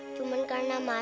aku mau pergi